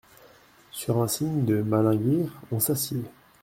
Sur un signe de Malingear, on s’assied.